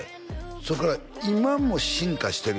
それから今も進化してる